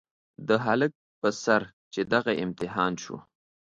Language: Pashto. د هلک په سر چې دغه امتحان شو.